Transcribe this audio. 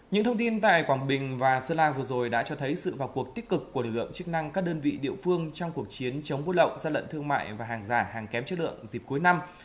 những thông tin tại quảng bình và sơn la vừa rồi đã cho thấy sự vào cuộc tích cực của lực lượng chức năng các đơn vị địa phương trong cuộc chiến chống buôn lậu gian lận thương mại và hàng giả hàng kém chất lượng dịp cuối năm